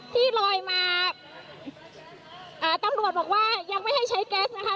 ที่ลอยมาอ่าตำรวจบอกว่ายังไม่ให้ใช้แก๊สนะคะ